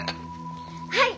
はい！